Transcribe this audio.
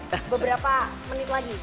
beberapa menit lagi